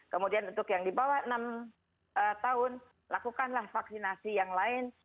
kemudian untuk yang di bawah enam tahun lakukanlah vaksinasi yang lain